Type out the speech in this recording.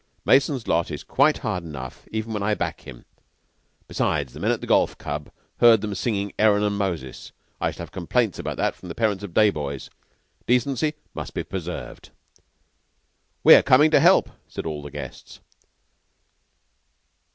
Mason's lot is quite hard enough even when I back him. Besides, the men at the golf club heard them singing 'Aaron and Moses.' I shall have complaints about that from the parents of day boys. Decency must be preserved." "We're coming to help," said all the guests.